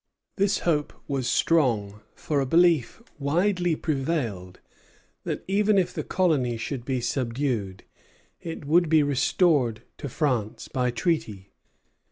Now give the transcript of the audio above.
This hope was strong, for a belief widely prevailed that, even if the colony should be subdued, it would be restored to France by treaty.